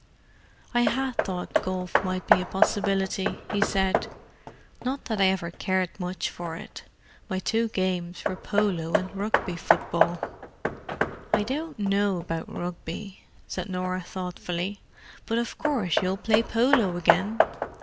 "I had thought golf might be a possibility," he said. "Not that I ever cared much for it. My two games were polo and Rugby football." "I don't know about Rugby," said Norah thoughtfully. "But of course you'll play polo again.